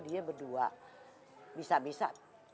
dia berdua bisa bisa